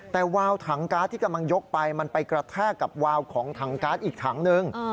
แต่วาวถังการ์ดที่กำลังยกไปมันไปกระแทกกับวาวของถังการ์ดอีกถังนึง